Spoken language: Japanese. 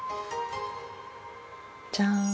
じゃん！